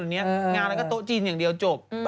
ก็รู้ว่างานอะไรก็โต๊ะจีนอย่างเดียวจบ